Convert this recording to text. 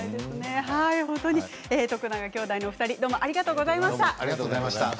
徳永兄弟のお二人ありがとうございました。